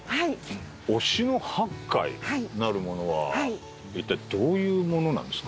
忍野八海なるものはいったいどういうものなんですか？